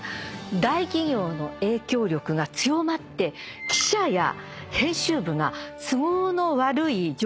大企業の影響力が強まって記者や編集部が都合の悪い情報を報じない。